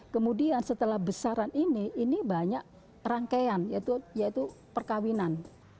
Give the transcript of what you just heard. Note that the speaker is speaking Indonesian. kemudian setelah besaran ini ini banyak rangkaian yaitu perkawinan